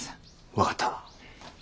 分かった。